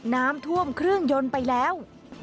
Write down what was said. น้ำท่วมเครื่องยนต์ไปแล้ว